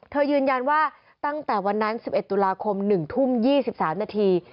ยืนยันว่าตั้งแต่วันนั้น๑๑ตุลาคม๑ทุ่ม๒๓นาที